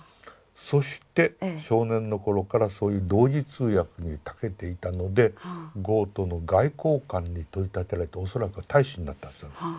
そして少年の頃からそういう同時通訳にたけていたのでゴートの外交官に取り立てられて恐らくは大使になったんですよ。